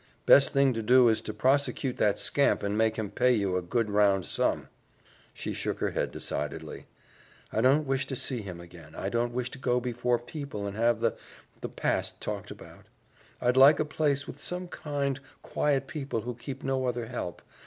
"Best thing to do is to prosecute that scamp and make him pay you a good round sum." She shook her head decidedly. "I don't wish to see him again. I don't wish to go before people and have the the past talked about. I'd like a place with some kind, quiet people who keep no other help.